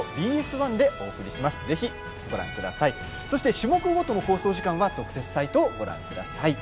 種目ごとの放送時間は特設サイトをご覧ください。